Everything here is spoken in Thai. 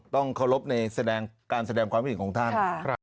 ต้องเคารพในการแสดงความคิดเห็นของท่าน